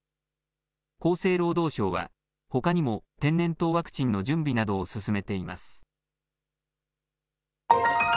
厚生労働省はほかにも天然痘ワクチンの準備などを進めています。